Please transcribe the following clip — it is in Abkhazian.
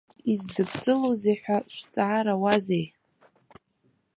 Издыԥсылозеи ҳәа шәҵаарауазеи?